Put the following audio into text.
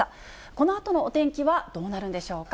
このあとのお天気はどうなるんでしょうか。